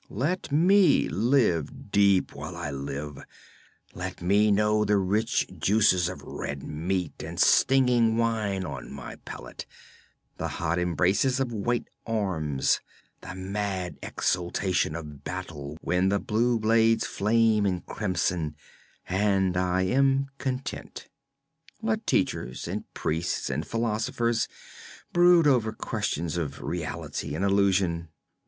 Let me live deep while I live; let me know the rich juices of red meat and stinging wine on my palate, the hot embrace of white arms, the mad exultation of battle when the blue blades flame and crimson, and I am content. Let teachers and priests and philosophers brood over questions of reality and illusion.